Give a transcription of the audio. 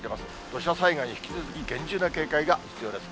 土砂災害に引き続き厳重な警戒が必要です。